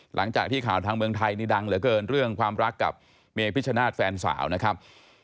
หลังจากที่ข่าวทางเมืองไทยนี่ดังเหลือเกินเรื่องความรักกับเมพิชชนาธิ์แฟนสาวนะครับ